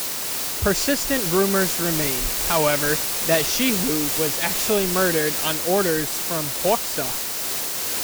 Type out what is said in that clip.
Persistent rumors remain, however, that Shehu was actually murdered on orders from Hoxha.